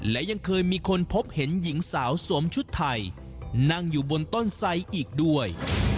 และยังเคยมีคนพบเห็นหญิงสาวสวมชุดไทยนั่งอยู่บนต้นไสอีกด้วย